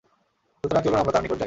সুতরাং চলুন আমরা তার নিকট যাই।